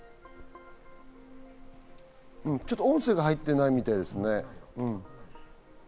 ちょっと音声が入っていないみたいですね。